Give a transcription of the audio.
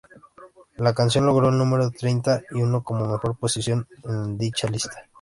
La canción logró el número treinta y uno como mejor posición en dicha lista.